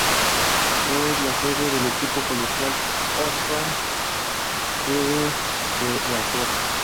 Es la sede del equipo colegial Hofstra Pride de lacrosse.